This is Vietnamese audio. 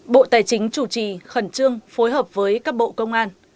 bộ tài chính chủ trì khẩn trương phối hợp với các bộ công an